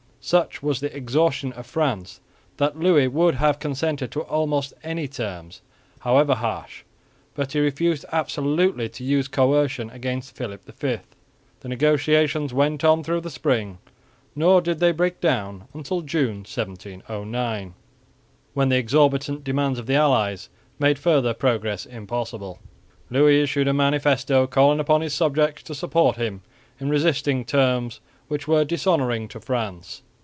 Such was the exhaustion of France that Louis would have consented to almost any terms however harsh, but he refused absolutely to use coercion against Philip V. The negotiations went on through the spring nor did they break down until June, 1709, when the exorbitant demands of the allies made further progress impossible. Louis issued a manifesto calling upon his subjects to support him in resisting terms which were dishonouring to France.